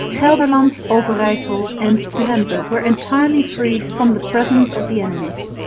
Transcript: Gelderland, Overyssel and Drente were entirely freed from the presence of the enemy.